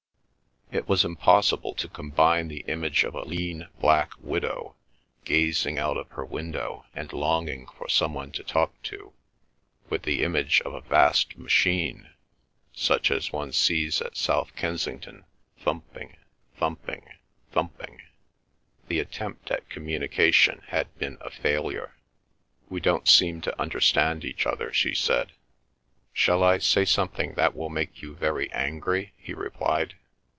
It was impossible to combine the image of a lean black widow, gazing out of her window, and longing for some one to talk to, with the image of a vast machine, such as one sees at South Kensington, thumping, thumping, thumping. The attempt at communication had been a failure. "We don't seem to understand each other," she said. "Shall I say something that will make you very angry?" he replied.